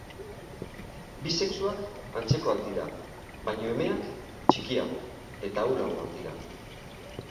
Bi sexuak antzekoak dira baina emeak txikiago eta ahulagoak dira.